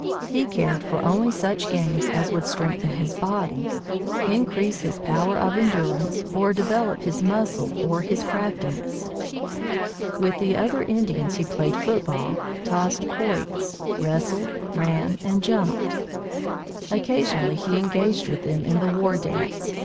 He cared for only such games as would strengthen his body, increase his power of endurance, or develop his muscle or his craftiness. With the other Indians he played football, tossed quoits, wrestled, ran, and jumped. Occasionally he engaged with them in the war dance.